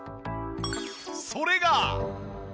それが！